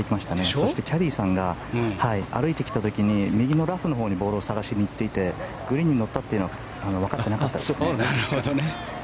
そして、キャディーが歩いてきた時に右のラフのほうにボールを探しに行っていてグリーンに乗ったというのはわかってなかったですね。